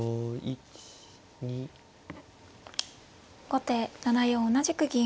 後手７四同じく銀。